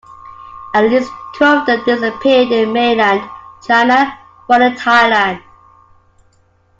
At least two of them disappeared in mainland China, one in Thailand.